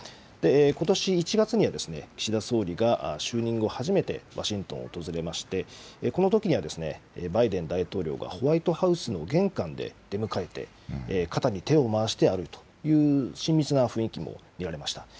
ことし１月には岸田総理が就任後初めてワシントンを訪れまして、このときにはバイデン大統領がホワイトハウスの玄関で出迎えて、肩に手を回して歩くという親密な雰囲気を見られました。